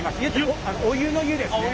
お湯の湯ですね。